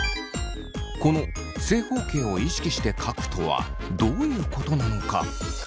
この「正方形を意識して書く」とはどういうことなのか？